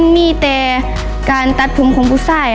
มีแต่การตัดผมของผู้ชาย